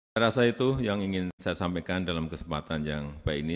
saya rasa itu yang ingin saya sampaikan dalam kesempatan yang baik ini